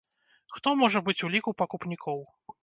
Хто можа быць у ліку пакупнікоў?